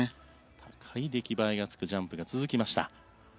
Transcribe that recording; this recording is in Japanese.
高い出来栄えがつくジャンプが続きました。